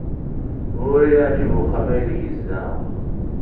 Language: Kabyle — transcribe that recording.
Ur iyi-yeɛjib wexxam aydeg yezdeɣ.